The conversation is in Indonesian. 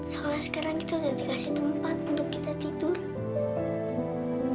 soalnya sekarang kita sudah dikasih tempat untuk kita tidur